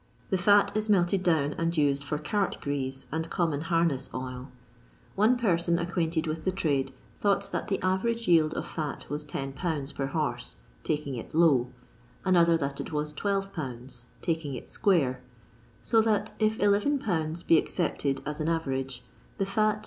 the fat is melted down and used for cart grease and common harness oil ; one person acquainted with the trade thought that the average yield of hx was 10 lbs. per horse ("taking it low"), another that it was 12 lbs. ("taking it square"), so that if 11 lbs. be accepted as an average, the fat, at 2d per lb., would realise Is.